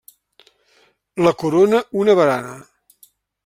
La corona una barana.